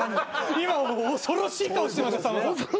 今恐ろしい顔してましたさんまさん。